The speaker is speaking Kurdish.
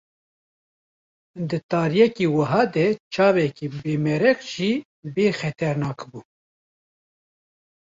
Di tariyeke wiha de çavekî bimereq jî bê xeternak bû.